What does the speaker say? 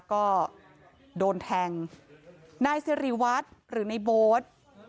ก็โดนแทงนายสิริวัตรหรือในโบ๊ท